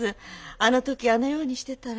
あの時あのようにしてたら。